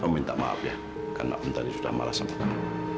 om minta maaf ya karena om tadi sudah malas sama kam